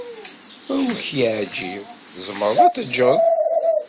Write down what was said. Ma ur k-yeɛjib, tzemreḍ ad t-tejjeḍ.